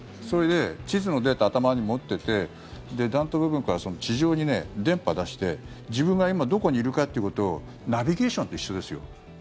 それで地図のデータを頭に持ってて弾頭部分から地上に電波を出して自分がどこにいるかということをナビゲーションと一緒ですよ。